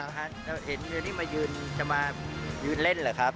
จะเห็นเรือที่มายืนจะมายืนเล่นเหรอครับ